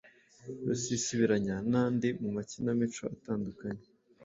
Rusisibiranya n’andi mu makinamico atandukanye